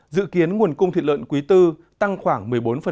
dự kiến nguồn cung thịt lợn quý tư tăng khoảng một mươi bốn